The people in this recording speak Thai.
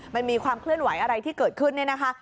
มันมีความเคลื่อนไหวอะไรที่เกิดขึ้นเนี่ยนะคะ